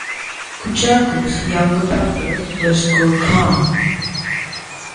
Kurchakus's younger brother was Gur Khan.